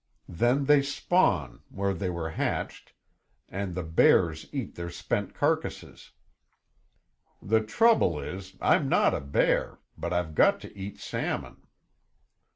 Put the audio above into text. Then they spawn, where they were hatched, and the bears eat their spent carcasses. The trouble is, I'm not a bear, but I've got to eat salmon."